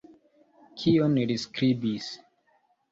Kion li skribis?